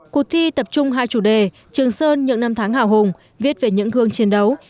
cuộc thi tập trung hai chủ đề trường sơn những năm tháng hào hùng viết về những gương chiến đấu